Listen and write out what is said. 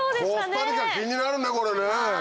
コスタリカ気になるねこれね。